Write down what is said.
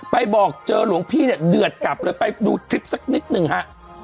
บอกเจอหลวงพี่เนี่ยเดือดกลับเลยไปดูคลิปสักนิดหนึ่งฮะ